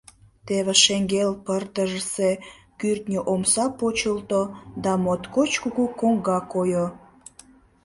Теве шеҥгел пырдыжысе кӱртньӧ омса почылто да моткоч кугу коҥга койо.